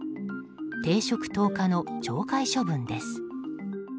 停職１０日の懲戒処分です。